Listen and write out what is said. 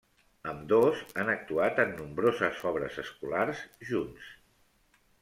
Ambdós han actuat en nombroses obres escolars junts.